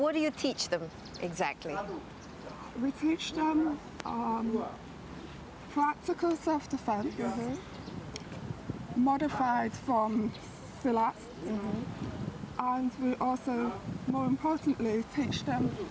dan juga olimpiade